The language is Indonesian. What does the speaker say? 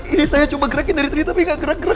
ini saya cuma gerakin dari twit tapi gak gerak gerak